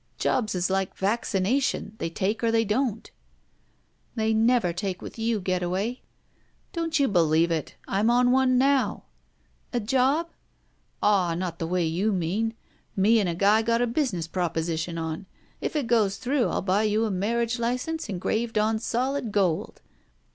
Jobs is like vaccination, they take or they don't." They never take with you, Getaway." Don't you beUeve it. I'm on one now —" A job?" Aw, not the way you mean. Me and a guy got a business proposition on. If it goes through, I'll buy you a marriage license engraved on solid gold."